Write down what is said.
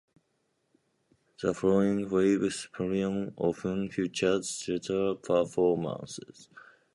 The Flowing Waves Pavilion often featured theatre performances.